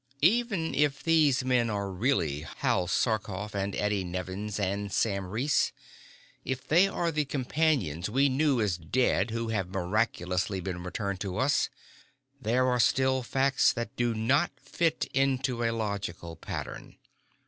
"Even if these men are really Hal Sarkoff and Eddie Nevins and Sam Reese, if they are the companions we knew as dead who have miraculously been returned to us, there are still facts that do not fit into a logical pattern.